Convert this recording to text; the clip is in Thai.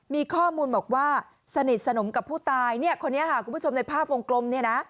มีข้อมูลบอกว่าสนิทสนมกับผู้ตายคนนี้คุณผู้ชมในภาพฟงกลม